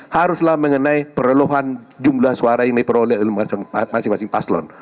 haruslah mengenai perleluhan jumlah suara yang diperoleh masing masing paslon